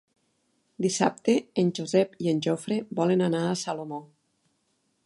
Dissabte en Josep i en Jofre volen anar a Salomó.